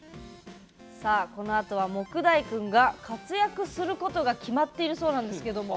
このあとは杢代君が活躍することが決まっているそうですけれども。